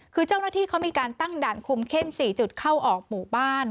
คือเจ้าหน้าที่เขามีการตั้งด่านคุมเข้ม๔จุดเข้าออกหมู่บ้าน